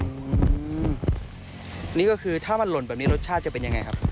อืมนี่ก็คือถ้ามันหล่นแบบนี้รสชาติจะเป็นยังไงครับ